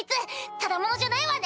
ただ者じゃないわね？